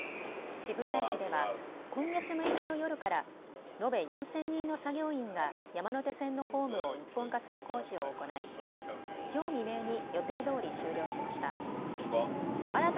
渋谷駅では今月６日の夜から延べ４０００人の作業員が山手線のホームを一本化する工事を行いきょう未明に予定どおり終了しました。